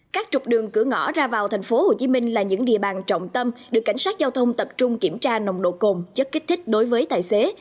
các trục đường cửa ngõ ra vào tp hcm là những địa bàn trọng tâm được cảnh sát giao thông tập trung kiểm tra nồng độ cồn chất kích thích đối với tài xế